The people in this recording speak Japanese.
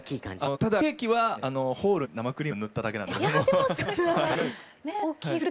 ただケーキはホールに生クリームを塗っただけなんですけれども。